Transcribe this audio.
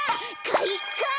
かいか！